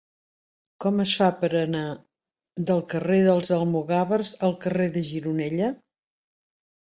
Com es fa per anar del carrer dels Almogàvers al carrer de Gironella?